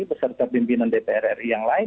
beserta pimpinan dpr ri yang lain